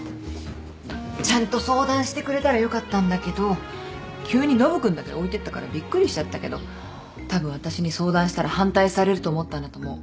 ちゃんと相談してくれたらよかったんだけど急にノブ君だけ置いてったからびっくりしちゃったけどたぶん私に相談したら反対されると思ったんだと思う。